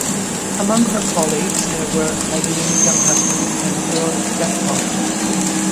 Among her colleagues there were Eileen Younghusband and Pearl Jephcott.